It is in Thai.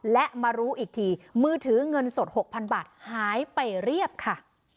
และมารู้อีกทีมือถือเงินสด๖๐๐๐บาทหายไปเรียบค่ะ